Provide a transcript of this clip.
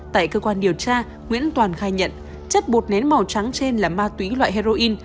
tại cơ quan điều tra nguyễn toàn khai nhận chất bột nén màu trắng trên là ma túy loại heroin